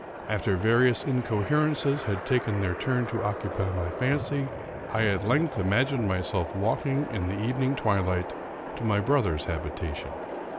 After various incoherences had taken their turn to occupy my fancy, I at length imagined myself walking, in the evening twilight, to my brother's habitation.